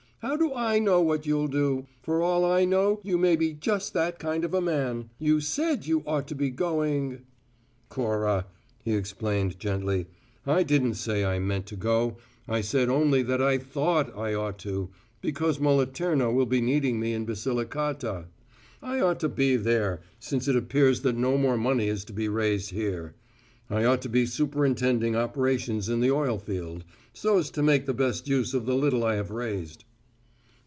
How do I know what you'll do? For all I know, you may be just that kind of a man. You said you ought to be going " "Cora," he explained, gently, "I didn't say I meant to go. I said only that I thought I ought to, because Moliterno will be needing me in Basilicata. I ought to be there, since it appears that no more money is to be raised here. I ought to be superintending operations in the oil field, so as to make the best use of the little I have raised."